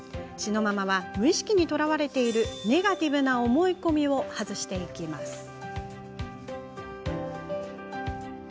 紫乃ママは無意識にとらわれているネガティブな思い込みを外していきます。